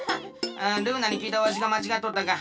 ああルーナにきいたわしがまちがっとったか。